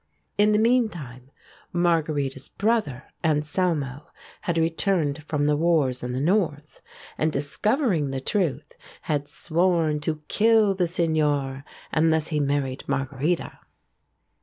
In the meantime Margherita's brother Anselmo had returned from the wars in the North, and, discovering the truth, had sworn to kill the Signore unless he married Margherita.